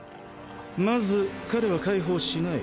まず彼は解放しない。